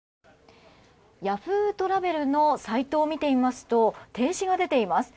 Ｙａｈｏｏ！トラベルのサイトを見ていますと停止が出ています。